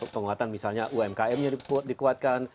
penguatan misalnya umkm nya dikuatkan